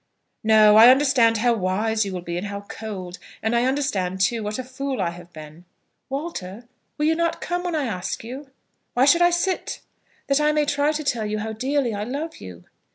"No. I understand how wise you will be, and how cold; and I understand, too, what a fool I have been." "Walter, will you not come when I ask you?" "Why should I sit?" "That I may try to tell you how dearly I love you."